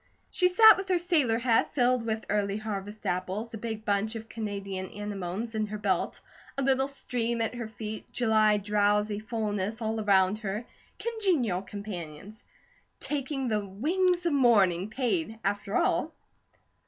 She sat with her sailor hat filled with Early Harvest apples, a big bunch of Canadian anemones in her belt, a little stream at her feet, July drowsy fullness all around her, congenial companions; taking the "wings of morning" paid, after all.